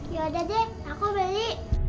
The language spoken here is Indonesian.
ya udah deh aku beli